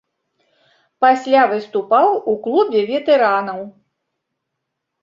Пасля выступаў у клубе ветэранаў.